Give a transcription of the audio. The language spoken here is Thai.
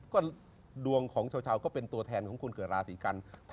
ก็ดวงของชาวก็เป็นตัวแทนของคนเกิดราศีกัน